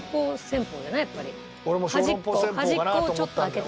端っこをちょっと開けてね。